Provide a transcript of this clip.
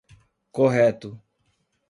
Correto.